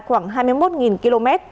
khoảng hai mươi một km